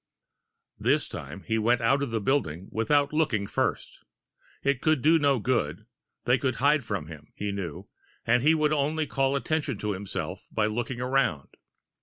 This time, he went out of the building without looking first. It could do no good they could hide from him, he knew, and he would only call attention to himself by looking around.